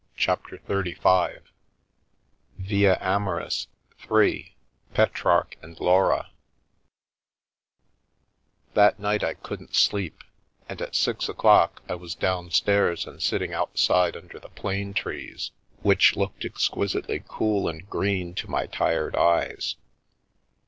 301 CHAPTER XXXV VIA AMORIS (3) Petrarch and Laura THAT night I couldn't sleep, and at six o'clock I was downstairs and sitting outside under the plane trees, which looked exquisitely cool and green to my tired eyes.